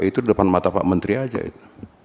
itu depan mata pak menteri aja itu